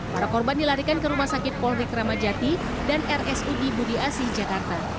para korban dilarikan ke rumah sakit polrik ramadjati dan rsu di budi asi jakarta